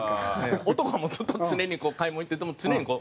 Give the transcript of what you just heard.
男はもうずっと常にこう買い物行ってても常にこう。